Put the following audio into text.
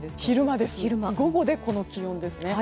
午後でこの気温ですね。